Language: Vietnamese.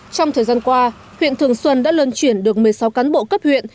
trong thời gian qua huyện thường xuân đã lươn chuyển được một mươi sáu cán bộ cấp huyện